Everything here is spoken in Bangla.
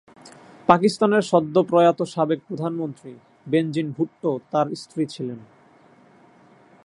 পাকিস্তানের সদ্য প্রয়াত সাবেক প্রধানমন্ত্রী বেনজির ভুট্টো তার স্ত্রী ছিলেন।